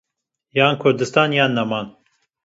Yan kurdistan yan neman.